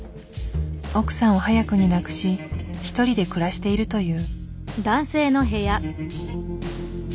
奥さんを早くに亡くし一人で暮らしているという。